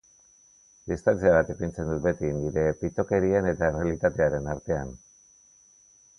Distantzia bat ipintzen dut beti nire pitokerien eta errealitatearen artean.